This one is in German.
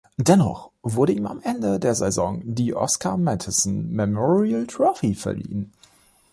Dennoch wurde ihm am Ende der Saison die Oscar Mathisen Memorial Trophy verliehen.